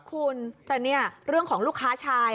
คุณแต่เนี่ยเรื่องของลูกค้าชาย